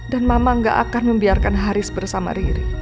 dan mama nggak akan membiarkan haris bersama riri